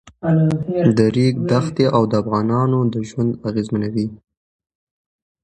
د ریګ دښتې د افغانانو ژوند اغېزمنوي.